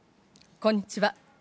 こんにちは。